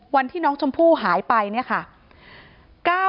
วันที่น้องชมพู่หายไปเนี่ยค่ะ